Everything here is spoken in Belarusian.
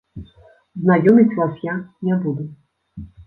Знаёміць вас я не буду.